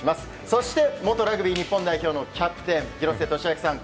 そして、元ラグビー日本代表のキャプテン、廣瀬俊朗さん